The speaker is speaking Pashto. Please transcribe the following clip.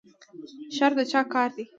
شر د چا کار دی؟